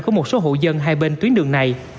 của một số hộ dân hai bên tuyến đường này